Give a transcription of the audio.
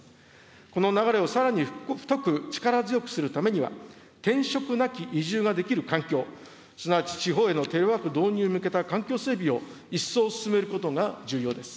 この流れをさらに太く力強くするためには、転職なき移住ができる環境、すなわち地方へのテレワーク導入に向けた環境整備を一層進めることが重要です。